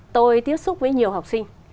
tôi tiếp xúc với nhiều học sinh